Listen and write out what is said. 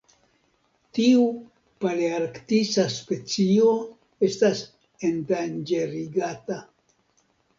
Tiu palearktisa specio estas endanĝerigata.